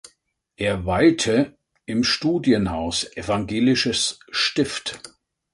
Er weilte im Studienhaus Evangelisches Stift.